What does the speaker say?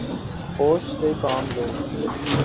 ہوش سے کام لو